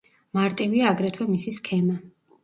მარტივია აგრეთვე მისი სქემა.